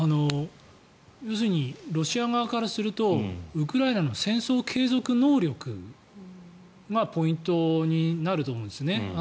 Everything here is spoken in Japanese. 要するにロシア側からするとウクライナの戦争継続能力がポイントになると思うんですね。